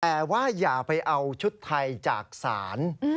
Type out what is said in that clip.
แต่ว่าอย่าไปเอาชุดไทยจากศาล